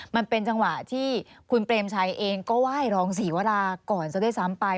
มันเป็นจังหวะที่คุณเปรมชัยเองก็ไหว้รองศรีวราก่อนซะด้วยซ้ำไป